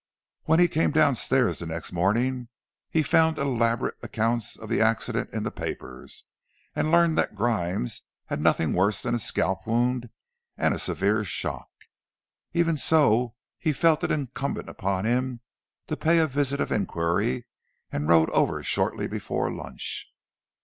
When he came downstairs the next morning, he found elaborate accounts of the accident in the papers, and learned that Grimes had nothing worse than a scalp wound and a severe shock. Even so, he felt it was incumbent upon him to pay a visit of inquiry, and rode over shortly before lunch.